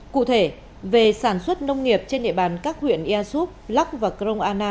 cụ thể về sản xuất nông nghiệp trên địa bàn các huyện ia súp lắc và cron an na